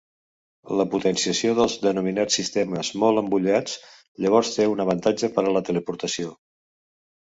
La potenciació dels denominats sistemes molt embullats llavors té un avantatge per a la teleportació.